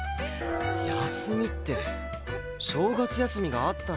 休みって正月休みがあったろ。